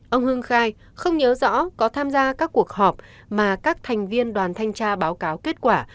ông hưng khai không nhớ rõ có tham gia các cuộc họp mà các thành viên đoàn thanh tra báo cáo kết quả